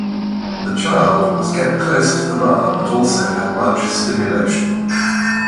The child was kept close to the mother but also had much stimulation.